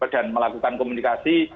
dan melakukan komunikasi